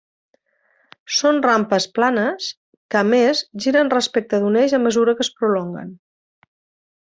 Són rampes planes que a més giren respecte d'un eix a mesura que es prolonguen.